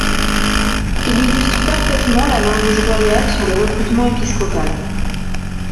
Il illustre parfaitement la mainmise royale sur le recrutement épiscopal.